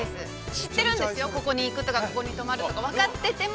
知ってるんですよ、ここに行くとかここに泊まるとか分かってても。